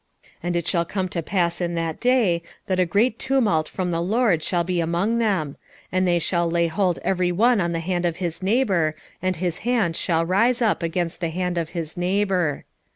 14:13 And it shall come to pass in that day, that a great tumult from the LORD shall be among them; and they shall lay hold every one on the hand of his neighbour, and his hand shall rise up against the hand of his neighbour.